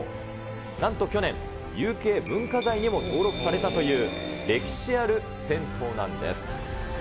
なんと去年、有形文化財にも登録されたという、歴史ある銭湯なんです。